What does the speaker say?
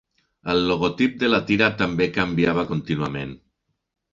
El logotip de la tira també canviava contínuament.